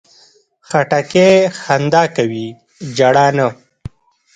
خټکی خندا کوي، ژړا نه.